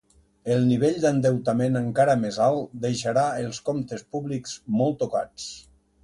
El nivell d’endeutament encara més alt deixarà els comptes públics molt tocats.